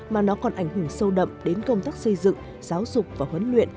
mà nó còn ảnh hưởng sâu đậm đến công tác xây dựng giáo dục và huấn luyện